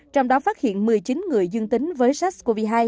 trong đó phát hiện một mươi chín người dương tính với sars cov hai